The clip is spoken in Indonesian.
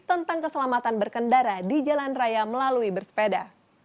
tentang keselamatan berkendara di jalan raya melalui bersepeda